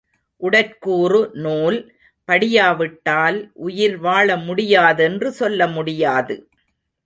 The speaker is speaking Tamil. உடற்கூறு நூல் படியாவிட்டால் உயிர் வாழ முடியாதென்று சொல்ல முடியாது.